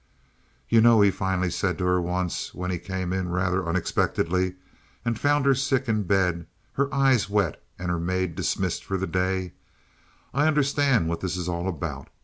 "You know," he finally said to her once, when he came in rather unexpectedly and found her sick in bed, her eyes wet, and her maid dismissed for the day, "I understand what this is all about.